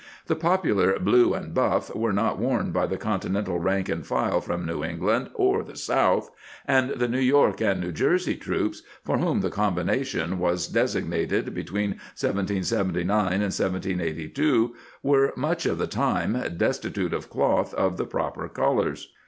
^ The popular " blue and buff" were not worn by the Continental rank and file from New England or the South, and the New York and New Jer sey troops, for whom the combination was des ignated between 1779 and 1782 were, much of the time, destitute of cloth of the proper colors.